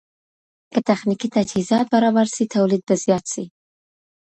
که تخنيکي تجهيزات برابر سي توليد به زيات سي.